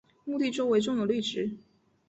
墓地周围种有绿植。